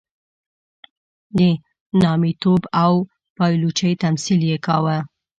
د نامیتوب او پایلوچۍ تمثیل یې کاوه.